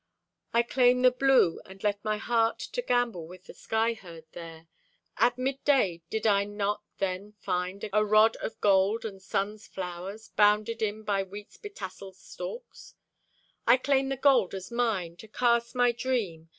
I claim the blue and let My heart to gambol with the sky herd there. At midday did I not then find A rod of gold, and sun's flowers, Bounded in by wheat's betasseled stalks? I claim the gold as mine, to cast my dream.